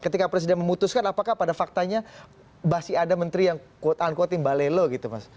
ketika presiden memutuskan apakah pada faktanya masih ada menteri yang quote unquote tim balelo gitu mas